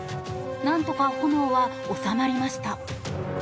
なんとか炎は収まりました。